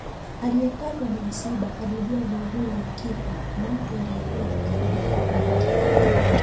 Aliyepatwa na msiba anajua maumivu ya kifo kwa mtu aliyekuwa wa karibu yake